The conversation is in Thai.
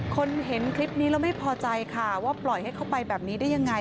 คนเห็นคลิปนี้แล้วไม่พอใจค่ะว่าปล่อยให้เข้าไปแบบนี้ได้ยังไง